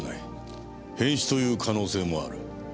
変死という可能性もある。